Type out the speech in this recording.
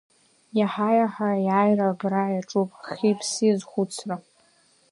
Иаҳа-иаҳа аиааира агара иаҿуп хи-ԥси азхәыцра.